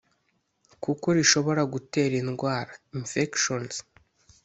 kuko rishobora gutera indwara (infections)